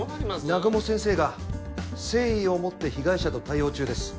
南雲先生が誠意を持って被害者と対応中です